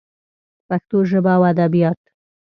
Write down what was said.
پښتو ژبه او ادبیات